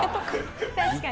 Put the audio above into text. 確かに。